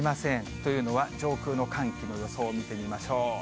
というのは、上空の寒気の予想を見てみましょう。